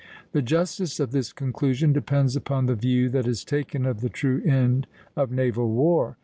" The justice of this conclusion depends upon the view that is taken of the true end of naval war.